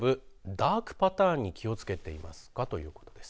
ダークパターンに気付いていますか？ということです。